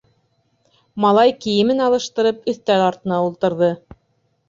Малай, кейемен алыштырып, өҫтәл артына ултырҙы.